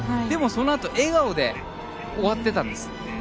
でも、そのあと笑顔で終わっていたんです。